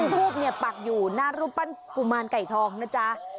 ทูปปักอยู่หน้ารูปปั้นกุมารไก่ทองนะจ๊ะ